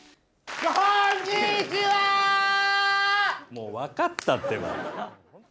もう分かったってば。